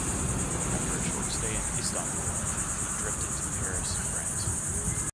After a short stay in Istanbul he drifted to Paris, France.